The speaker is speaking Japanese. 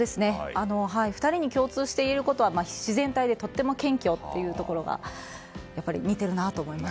２人に共通していることは自然体でとても謙虚というところが似ているなと思います。